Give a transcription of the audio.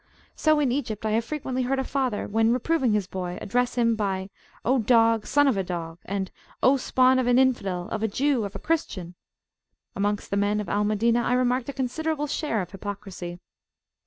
So in Egypt I have frequently heard a father, when reproving his boy, address him by O dog, son of a dog! and O spawn of an Infidelof a Jewof a Christian! Amongst the men of Al Madinah I remarked a considerable share of hypocrisy.